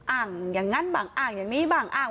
อ้างอย่างนั้นบ้างอ้างอย่างนี้บ้างอ้าง